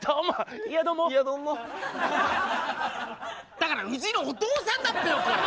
だからうちのお父さんだっぺよこれ。